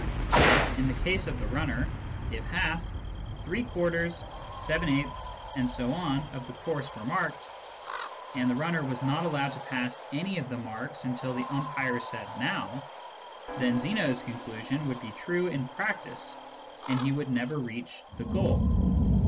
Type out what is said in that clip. Thus, in the case of the runner, if half, three quarters, seven eighths, and so on of the course were marked, and the runner was not allowed to pass any of the marks until the umpire said "Now," then Zeno's conclusion would be true in practice, and he would never reach the goal.